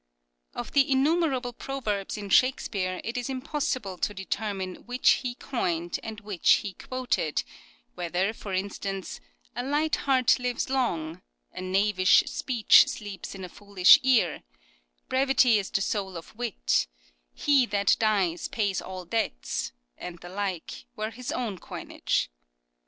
Of the innumerable proverbs in Shakespeare it is impossible to determine which he coined and which he quoted — whether, for instan ce POPULAR PROVERBS 277 " A light heart Uves long," " A knavish speech sleeps in a foolish ear," " Brevity is the soul of wit," " He that dies pays all debts," and the like were his own coinage.